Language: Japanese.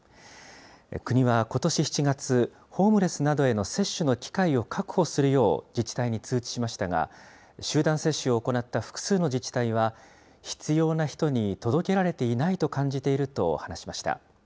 国はことし７月、ホームレスなどへの接種の機会を確保するよう、自治体に通知しましたが、集団接種を行った複数の自治体は、必要な人に届けられていないと感じていると話しました。